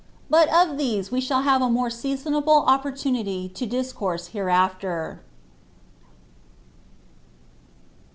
But of these we shall have a more seasonable opportunity to discourse hereafter.